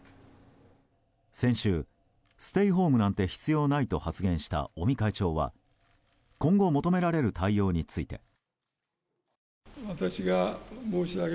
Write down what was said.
先週、ステイホームなんて必要ないと発言した尾身会長は今後求められる対応について。